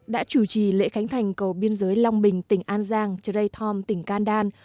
đã chủ trì lễ khánh thành cầu biên giới long bình tỉnh an giang tray thom tỉnh can đan